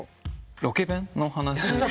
ロケ弁の話。